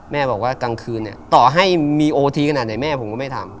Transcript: แม่บอกว่ากลางคืนเนี่ยต่อให้มีโอทีขนาดไหนแม่ผมก็ไม่ทำ